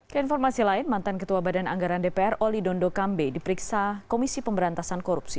keinformasi lain mantan ketua badan anggaran dpr oli dondo kambe diperiksa komisi pemberantasan korupsi